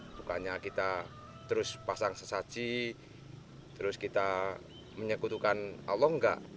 bukannya kita terus pasang sesaji terus kita menyekutukan allah enggak